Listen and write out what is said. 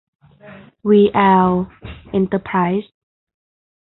วี แอล เอ็นเตอร์ไพรส์